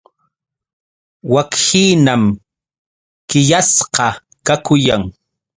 Wakhinam qillasqa kakuyan.